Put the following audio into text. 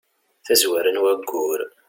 tazwara n wayyur